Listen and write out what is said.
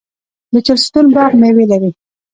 د چهلستون باغ میوې لري.